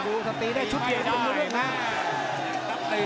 ล็อกตีได้ชุดเย็นด้วย